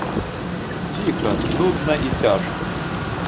Ціха, нудна і цяжка.